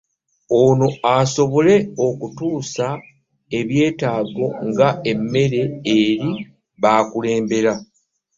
Ono asobole okutuusa ebyetaago nga emmere eri b'akulembera.